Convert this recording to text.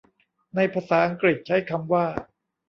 ในภาษาอังกฤษใช้คำว่า